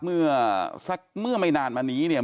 เมื่อไม่นานมานี้เนี่ย